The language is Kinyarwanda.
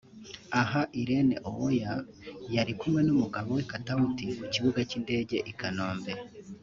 Aha Irene Uwoya yari kumwe n'umugabo we Katauti ku kibuga cy'indege i Kanombe